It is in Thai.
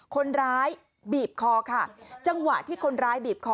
คนร้ายบีบคอค่ะจังหวะที่คนร้ายบีบคอ